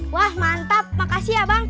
wah mantap makasih ya bang